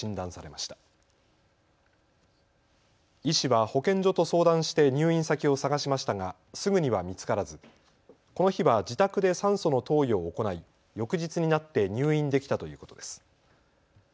医師は保健所と相談して入院先を探しましたがすぐには見つからずこの日は自宅で酸素の投与を行い翌日になって入院できたということです。